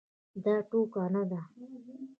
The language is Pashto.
دا ټوکه نه ده.